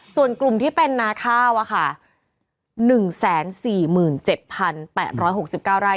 ส่วนกลุ่มที่เป็นนาข้าวอะค่ะหนึ่งแสนสี่หมื่นเจ็ดพันแปดร้อยหกสิบเก้าไร่